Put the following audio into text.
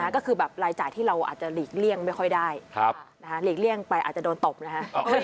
ก็คือแบบรายจ่ายที่เราอาจจะหลีกเลี่ยงไม่ค่อยได้หลีกเลี่ยงไปอาจจะโดนตบนะฮะ